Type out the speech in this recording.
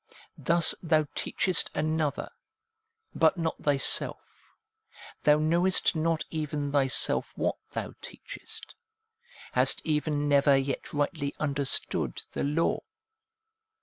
Thus thou teachest another, but not thyself ; thou knowest not even thyself what thou teachest ; hast even never yet rightly understood the law.